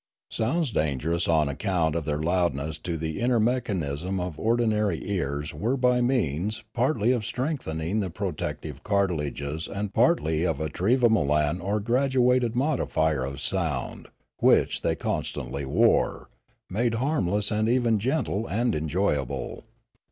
Sounds dangerous on account of their loudness to the inner mechanism of ordinary ears were by means partly of strengthening the protective cartilages and partly of a trevamolan or graduated modifier of sound, which they constantly wore, made harmless and even gentle and enjoyable.